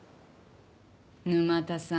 沼田さん